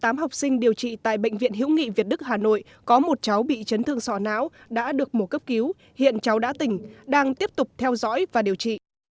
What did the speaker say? tám học sinh điều trị tại bệnh viện hữu nghị việt đức hà nội có một cháu bị chấn thương sọ não đã được mổ cấp cứu hiện cháu đã tỉnh đang tiếp tục theo dõi và điều trị